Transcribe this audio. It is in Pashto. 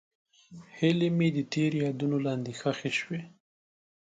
هیلې مې د تېر یادونو لاندې ښخې شوې.